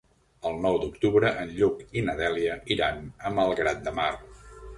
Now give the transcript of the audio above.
El nou d'octubre en Lluc i na Dèlia iran a Malgrat de Mar.